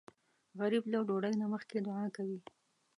غریب له ډوډۍ نه مخکې دعا کوي